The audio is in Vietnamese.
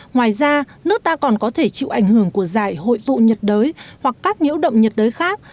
ngoài ra nước ta còn có thể chịu ảnh hưởng của giải hội tụ nhiệt đới hoặc các nhiễu động nhiệt đới khác